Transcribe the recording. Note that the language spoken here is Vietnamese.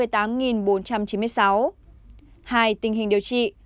hai tình hình điều trị